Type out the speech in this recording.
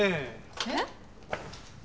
えっ？